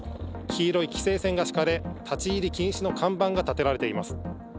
黄色い規制線が敷かれ、立ち入り禁止の看板が立てられています。